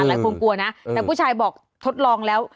หลายคนกลัวนะแต่ผู้ชายบอกทดลองแล้ว